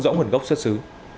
rõ nguồn gốc xuất xứ